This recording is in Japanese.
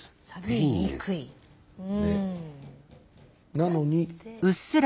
なのに。